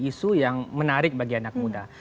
isu yang menarik bagi anak muda